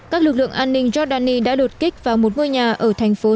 các lực lượng an ninh jordani đã đột kích vào một ngôi nhà ở thành phố